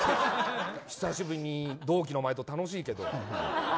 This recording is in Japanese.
久しぶりに同期のお前と楽しいけど。